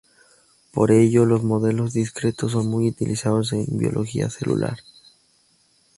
Por ello, los modelos discretos son muy utilizados en biología celular.